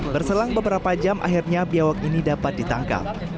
berselang beberapa jam akhirnya biawak ini dapat ditangkap